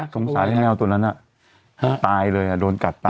สงสารที่แมวตนนั้นตายเลยโดนกัดตาย